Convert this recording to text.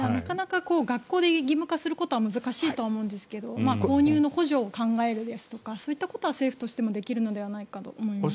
学校で義務化することは難しいと思いますが購入の補助を考えるですとかそういったことは政府としてもできるのではと思います。